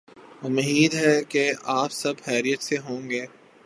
امید ہے کہ آپ سب خیریت سے ہوں گے۔